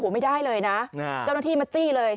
ไม่ได้เลยนะเจ้าหน้าที่มาจี้เลย